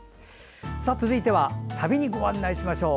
続いては旅にご案内しましょう。